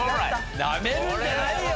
ナメるんじゃないよ！